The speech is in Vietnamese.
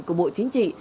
của bộ chính trị